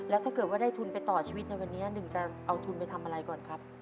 แล้วถ้าเกิดว่าได้ทุนไปต่อชีวิตในวันนี้หนึ่งจะเอาทุนไปทำอะไรก่อนครับ